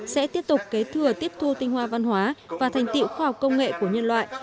sẽ tiếp tục kế thừa tiếp thu tinh hoa văn hóa và thành tiệu khoa học công nghệ của nhân loại